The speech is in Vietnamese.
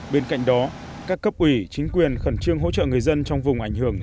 bên cạnh đó các cấp ủy chính quyền khẩn trương hỗ trợ người dân trong vùng ảnh hưởng